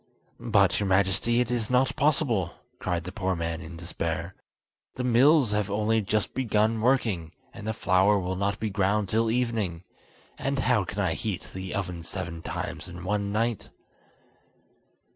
"But, your Majesty, it is not possible," cried the poor man in despair. "The mills have only just begun working, and the flour will not be ground till evening, and how can I heat the oven seven times in one night?"